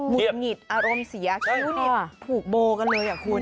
ุดหงิดอารมณ์เสียช่วงนี้ผูกโบกันเลยอ่ะคุณ